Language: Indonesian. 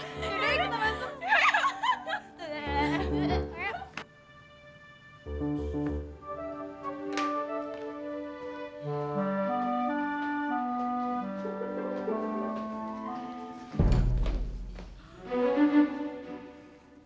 yaudah ya kita masuk